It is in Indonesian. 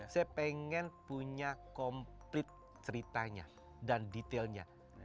saya pengen punya komplit ceritanya dan detailnya